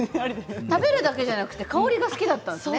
食べるだけじゃなく香りが好きだったんですね。